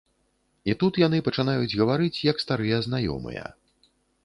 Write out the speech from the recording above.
І тут яны пачынаюць гаварыць як старыя знаёмыя.